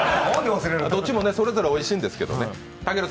どっちもそれぞれおいしいんですけどね。